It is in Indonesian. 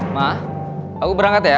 ma aku berangkat ya